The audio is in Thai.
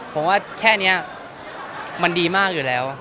ผมว่าแค่นี้มันดีมากอยู่แล้ว